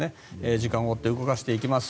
時間を追って動かしていきます。